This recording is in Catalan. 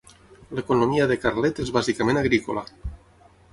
L'economia de Carlet és bàsicament agrícola.